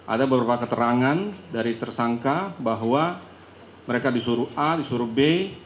ada beberapa keterangan dari tersangka bahwa mereka disuruh a disuruh b